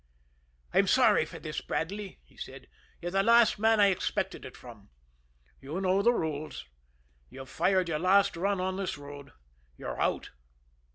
"I'm sorry for this, Bradley," he said. "You're the last man I expected it from. You know the rules. You've fired your last run on this road. You're out."